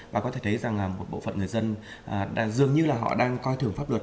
và có thể thấy rằng một bộ phận người dân dường như là họ đang coi thường pháp luật